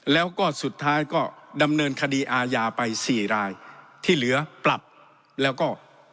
แล้วก็สุดท้ายก็ดำเนินคดีอาญาไปสี่รายที่เหลือปรับแล้วก็